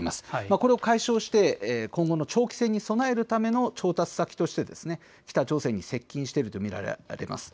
これを解消して今後の長期戦に備えるための調達先として北朝鮮に接近していると見られます。